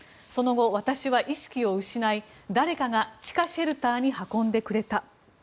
その後、私は意識を失い誰かが地下シェルターに運んでくれた。